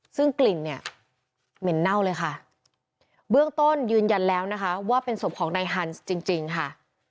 ซึ่งกลิ่นเนี่ยเหม็นเน่าเลยค่ะเบื้องต้นยืนยันแล้วนะคะว่าเป็นศพของนายฮันส์จริงจริงค่ะ